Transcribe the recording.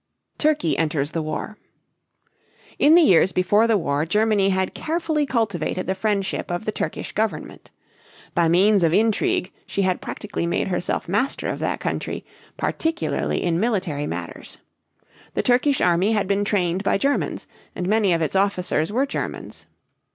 TURKEY ENTERS THE WAR. In the years before the war, Germany had carefully cultivated the friendship of the Turkish government. By means of intrigue, she had practically made herself master of that country, particularly in military matters. The Turkish army had been trained by Germans, and many of its officers were Germans.